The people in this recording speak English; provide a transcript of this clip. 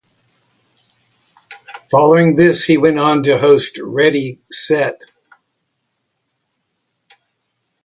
Following this he went on to host Ready.. Set...